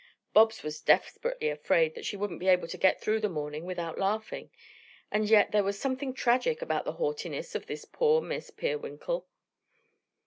Bobs was desperately afraid that she wouldn't be able to get through the morning without laughing, and yet there was something tragic about the haughtiness of this poor Miss Peerwinkle.